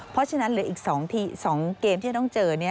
เพราะฉะนั้นเหลืออีก๒เกมที่จะต้องเจอ